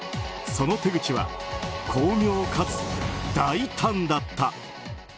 その手口は巧妙かつ大胆だった。